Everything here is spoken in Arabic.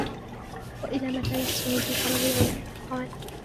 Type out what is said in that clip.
وَإِلَى مَتَى يَحْسُنُ بِي طَلَبُ الْعِلْمِ ؟ قَالَ